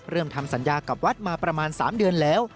ทำสัญญากับวัดมาประมาณ๓เดือนแล้ว